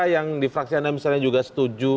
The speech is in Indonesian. yang di fraksi anda misalnya juga setuju